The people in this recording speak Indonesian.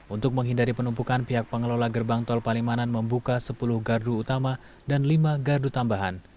untuk menghindari penumpukan pihak pengelola gerbang tol palimanan membuka sepuluh gardu utama dan lima gardu tambahan